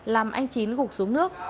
làm anh chín gục xuống nước